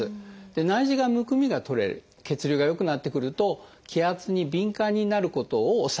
内耳がむくみが取れ血流が良くなってくると気圧に敏感になることを抑える。